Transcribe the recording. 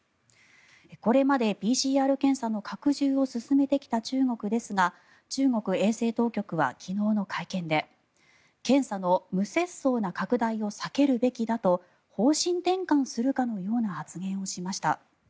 これまでＰＣＲ検査の拡充を進めてきた中国ですが中国衛生当局は昨日の会見で検査の無節操な拡大を避けるべきだと方針転換するかのような発言をしました。